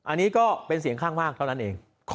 อันนี้ก็เป็นเสียงข้างมากเท่านั้นเอง